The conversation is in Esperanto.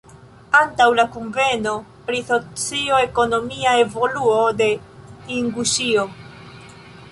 Antaŭ la kunveno pri socio-ekonomia evoluo de Inguŝio.